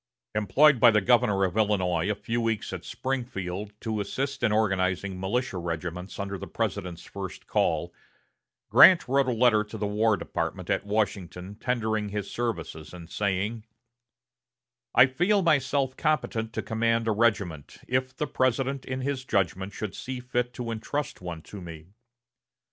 Employed by the governor of Illinois a few weeks at Springfield to assist in organizing militia regiments under the President's first call, Grant wrote a letter to the War Department at Washington tendering his services, and saying: "I feel myself competent to command a regiment, if the President in his judgment should see fit to intrust one to me."